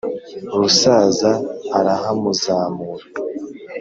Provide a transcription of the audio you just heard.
rusaza arahamuzamura,